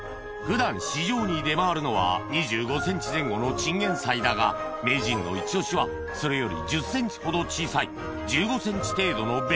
普段市場に出回るのは２５ｃｍ前後のチンゲン菜だが名人のイチオシはそれより１０ｃｍほど小さい１５ｃｍ程度の